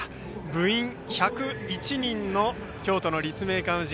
部員１０１人の京都の立命館宇治。